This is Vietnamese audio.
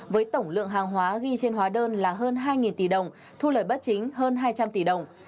với tổng lượng hàng hóa ghi trên hóa đơn là hơn hai tỷ đồng thu lời bất chính hơn hai trăm linh tỷ đồng